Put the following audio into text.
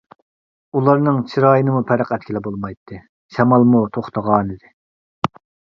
ئۇلارنىڭ چىرايىنىمۇ پەرى ئەتكىلى بولمايتتى، شامالمۇ توختىغانىدى.